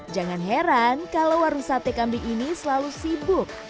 jangan heran kalau warung sate kambing ini selalu sibuk